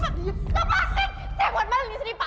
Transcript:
saya buat maling disini pak